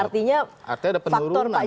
artinya ada penurunan sebenarnya